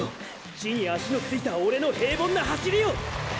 地に足のついたオレの平凡な走りを！